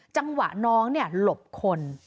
จังหวะน้องหลบคน